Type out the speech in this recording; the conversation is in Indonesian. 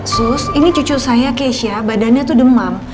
sus ini cucu saya keisha badannya tuh demam